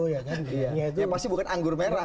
ya pasti bukan anggur merah